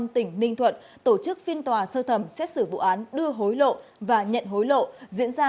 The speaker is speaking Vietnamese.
tỉnh ninh thuận tổ chức phiên tòa sơ thẩm xét xử vụ án đưa hối lộ và nhận hối lộ diễn ra